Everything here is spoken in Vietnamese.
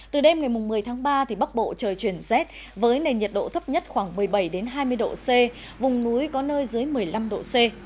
từ đêm ngày một mươi tháng ba bắc bộ trời chuyển rét với nền nhiệt độ thấp nhất khoảng một mươi bảy hai mươi độ c vùng núi có nơi dưới một mươi năm độ c